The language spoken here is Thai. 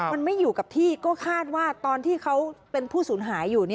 มันไม่อยู่กับที่ก็คาดว่าตอนที่เขาเป็นผู้สูญหายอยู่